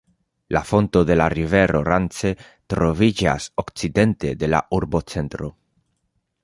La fonto de la rivero Rance troviĝas okcidente de la urbocentro.